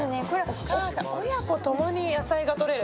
親子共に野菜がとれる。